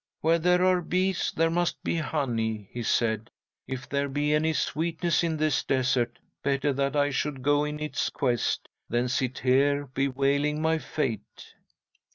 "Where there are bees, there must be honey," he said. "If there be any sweetness in this desert, better that I should go in its quest than sit here bewailing my fate."